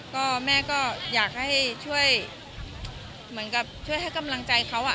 ก็แม่ก็อยากให้ช่วยเหมือนกับช่วยให้กำลังใจเขา